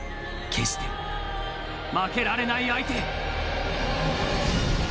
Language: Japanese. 決して負けられない相手。